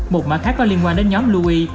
một mã khác có liên quan đến nhóm louis